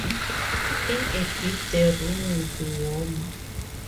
In a bit the room will be warmer.